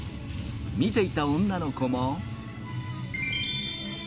見ていた女の子も。